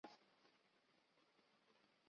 磁层顶外侧一直到弓形震波处被称磁层鞘。